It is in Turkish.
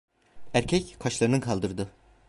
Erkek kaşlarını kaldırdı.